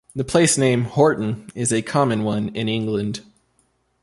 The place-name "Horton" is a common one in England.